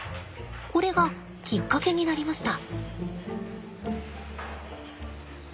これがきっかけになりました。